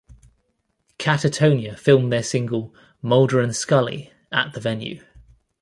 Catatonia filmed their single "Mulder and Scully" at the venue.